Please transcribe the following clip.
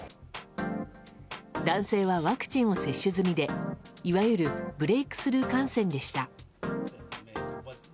男性はワクチンを接種済みでいわゆるブレークスルー感染でした。